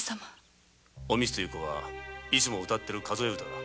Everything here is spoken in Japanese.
おみつという子がいつも歌っている数え歌だ。